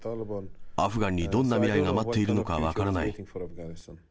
アフガンにどんな未来が待っているのか分からない。